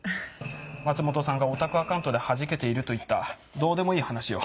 松本さんがオタクアカウントではじけているといったどうでもいい話を。